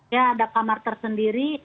ya ada kamar tersendiri